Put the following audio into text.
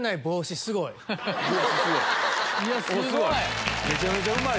すごいわ！